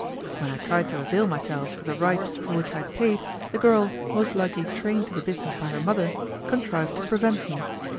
When I tried to avail myself of the right for which I had paid, the girl, most likely trained to the business by her mother, contrived to prevent me.